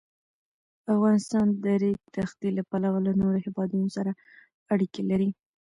افغانستان د د ریګ دښتې له پلوه له نورو هېوادونو سره اړیکې لري.